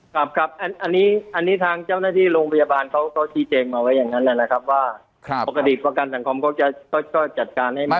ครับครับอันนี้ทางเจ้าหน้าที่โรงพยาบาลเขาก็ชี้แจงมาไว้อย่างนั้นแหละนะครับว่าปกติประกันสังคมเขาก็จัดการให้มาก